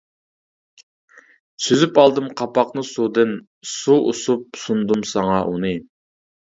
سۈزۈپ ئالدىم قاپاقنى سۇدىن، سۇ ئۇسۇپ سۇندۇم ساڭا ئۇنى.